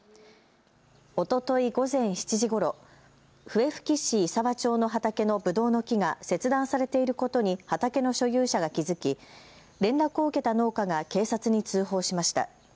おととい午前７時ごろ笛吹市石和町の畑のぶどうの木が切断されていることに畑の所有者が気付き、連絡を受けた農家が警察に通報しました。